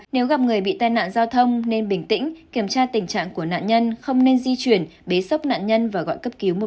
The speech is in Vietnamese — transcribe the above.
nếu gặp người bị tai nạn giao thông nên bình tĩnh kiểm tra tình trạng của nạn nhân không nên di chuyển bế sóc nạn nhân và gọi cấp cứu một trăm một mươi năm ngay lập tức